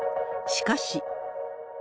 しかし。